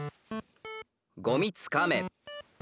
「ゴミつかめ」。